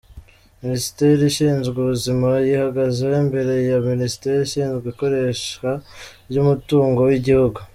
Minisiteri ishinzwe ubuzima yihagazeho imbere ya minisiteri ishinzwe ikoreshwa ryumutungo wigihugu